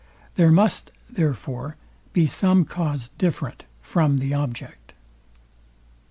There must, therefore, be some cause different from the object.